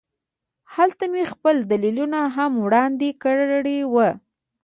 هلته مې خپل دلیلونه هم وړاندې کړي وو